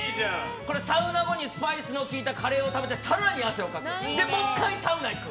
サウナ後にスパイスの効いたカレーを食べて更に汗をかく、そしてもう１回サウナに行く。